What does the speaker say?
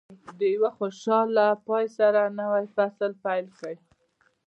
د یوه خوشاله پای سره نوی فصل پیل کړئ.